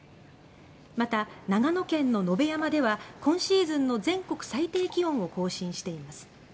また、長野県の野辺山では今シーズンの全国最低気温を更新しています。